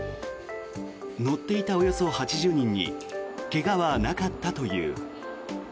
乗っていたおよそ８０人に怪我はなかったという。